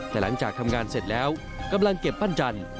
แต่หลังจากทำงานเสร็จแล้วกำลังเก็บปั้นจันทร์